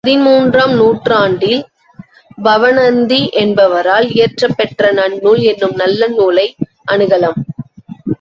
பதின்மூன்றாம் நூற்றாண்டில் பவணந்தி என்பவரால் இயற்றப்பெற்ற நன்னூல் என்னும் நல்ல நூலை அணுகலாம்.